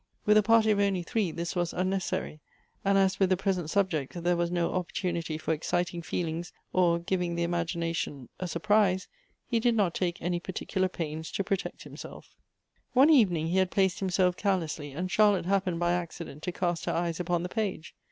With a party of only three, this was unnecessary ; and as with the present subject there was no opportunity for exciting feelings or giving the imagination a surprise, he did not take any particular pains to protect himself One evening he had placed himself carelessly, and Charlotte happened by accident to cast her eyes upon the page.